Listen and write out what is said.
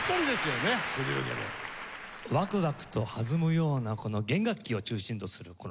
ワクワクと弾むような弦楽器を中心とするこの音色。